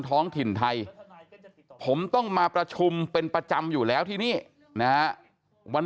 ท้องถิ่นไทยผมต้องมาประชุมเป็นประจำอยู่แล้วที่นี่นะฮะวัน